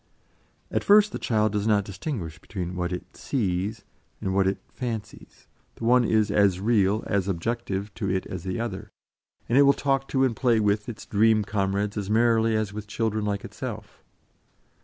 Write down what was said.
At first the child does not distinguish between what it "sees" and what it "fancies"; the one is as real, as objective, to it as the other, and it will talk to and play with its dream comrades as merrily as with children like itself.